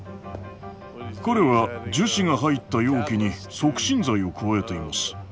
彼は樹脂が入った容器に促進剤を加えています。